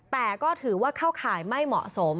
แต่ก็ถือว่าเข้าข่ายไม่เหมาะสม